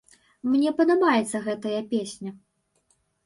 Мне падабаецца гэтая песня!